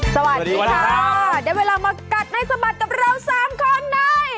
สวัสดีครับเดี๋ยวเวลามากัดให้สะบัดกับเราสามคนหน่อย